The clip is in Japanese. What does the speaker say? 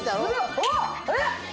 おっえっ。